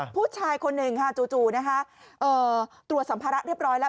ผู้ชายคนหนึ่งค่ะจู่นะคะตรวจสัมภาระเรียบร้อยแล้ว